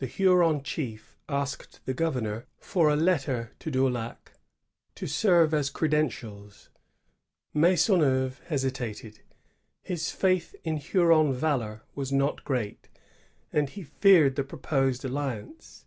] INDIAN ALLI£S. 181 Huron chief asked the govemor for a letter to Daulac, to serve as credentials. Maisonneuve hesi tated. His faith in Huron valor was not great, and he feared the proposed' alliance.